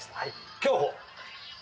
競歩。